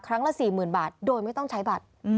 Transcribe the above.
ครั้งละ๔๐๐๐บาทโดยไม่ต้องใช้บัตร